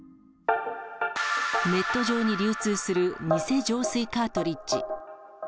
ネット上に流通する偽浄水カートリッジ。